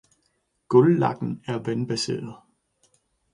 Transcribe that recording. Gulvlakken er vandbaseret.